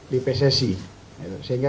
di pcc sehingga